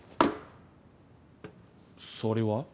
それは？